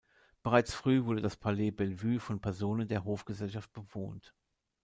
Bereits früh wurde das Palais Bellevue von Personen der Hofgesellschaft bewohnt.